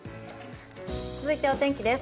続いてお天気。